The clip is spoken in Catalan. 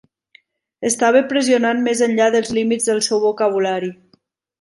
Estava pressionant més enllà dels límits del seu vocabulari.